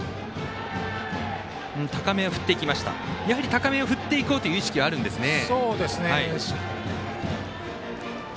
やはり高めを振っていこうという意識はあるんですね。